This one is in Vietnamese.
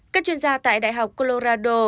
các chuyên gia tại đại học colorado